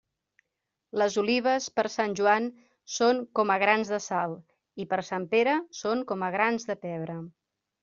Les olives, per Sant Joan, són com a grans de sal; i per Sant Pere són com a grans de pebre.